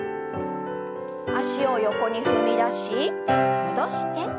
脚を横に踏み出し戻して。